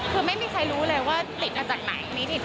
คือไม่มีใครรู้เลยว่าติดมาจากไหน